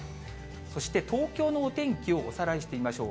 そして東京のお天気をおさらいしてみましょう。